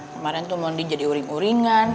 kemarin tuh mondi jadi uring uringan